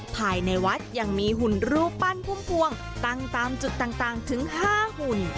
ภายในวัดยังมีหุ่นรูปปั้นพุ่มพวงตั้งตามจุดต่างถึง๕หุ่น